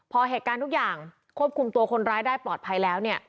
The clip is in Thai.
พอเหตุการณ์ทุกอย่างควบคุมตัวคนร้ายได้ปลอดภัยแล้วเนี่ย